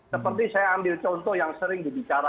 seperti saya ambil contoh yang sering dibicara